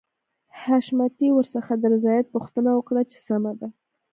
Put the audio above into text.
حشمتي ورڅخه د رضايت پوښتنه وکړه چې سمه ده.